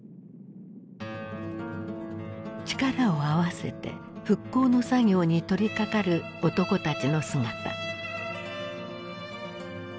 力を合わせて復興の作業に取りかかる男たちの姿。